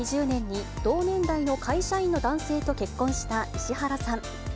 ２０２０年に同年代の会社員の男性と結婚した石原さん。